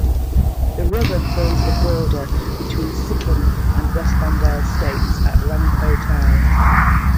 The river forms the border between Sikkim and West Bengal states at Rangpo town.